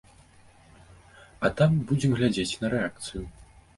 А там будзем глядзець на рэакцыю.